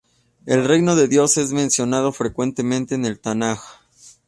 El Reino de Dios es mencionado frecuentemente en el Tanaj.